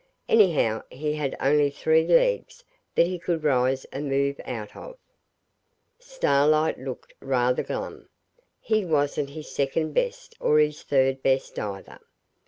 Anyhow he had only three legs that he could rise a move out of. Starlight looked rather glum. He wasn't his second best or his third best either.